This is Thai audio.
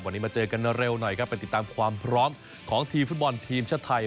วันนี้มาเจอกันเร็วหน่อยครับไปติดตามความพร้อมของทีมฟุตบอลทีมชาติไทย